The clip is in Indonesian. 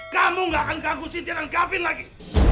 kamu gak akan ganggu cynthia dan gavin lagi